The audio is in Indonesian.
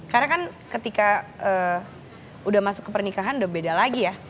karena kan ketika udah masuk ke pernikahan udah beda lagi ya